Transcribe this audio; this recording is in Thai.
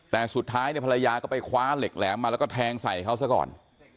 แต่สุดท้ายเนี่ยภรรยาก็ไปคว้าเหล็กแหลมมาแล้วก็แทงใส่เขาซะก่อน